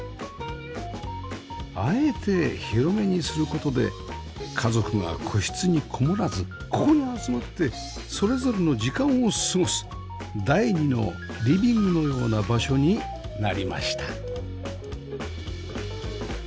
あえて広めにする事で家族が個室にこもらずここに集まってそれぞれの時間を過ごす第２のリビングのような場所になりました